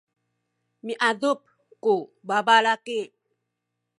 miadup ku babalaki.